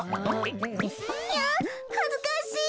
いやはずかしい。